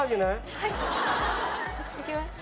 はい。いきます。